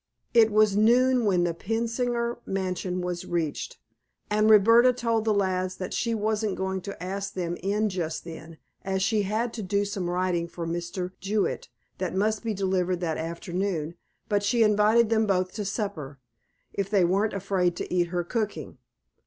It was noon when the Pensinger mansion was reached, and Roberta told the lads that she wasn't going to ask them in just then, as she had to do some writing for Mr. Jewett that must be delivered that afternoon, but she invited them both to supper, if they weren't afraid to eat her cooking.